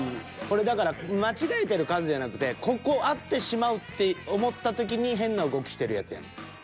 だから間違えてる数じゃなくてここ合ってしまうって思った時に変な動きしてるやつやねん。